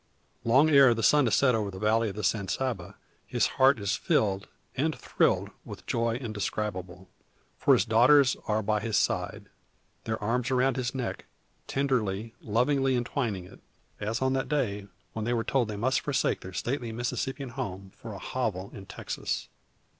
Long ere the sun has set over the valley of the San Saba his heart is filled, and thrilled, with joy indescribable. For his daughters are by his side, their arms around his neck, tenderly, lovingly entwining it, as on that day when told they must forsake their stately Mississippian home for a hovel in Texas.